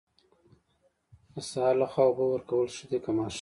د سهار لخوا اوبه ورکول ښه دي که ماښام؟